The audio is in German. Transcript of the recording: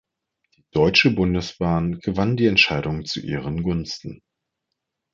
Die Deutsche Bundesbahn gewann die Entscheidung zu ihren Gunsten.